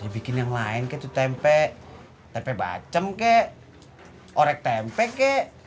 bikin yang lain ke tuh tempe tempe bacem ke orek tempe ke